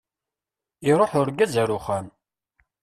Iruḥ urgaz ar uxxam.